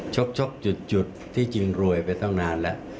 ชกจุดที่จริงรวยไปตั้งนานแล้ว